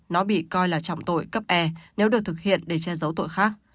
nó bị coi là trọng tội cấp e nếu được thực hiện để che giấu tội khác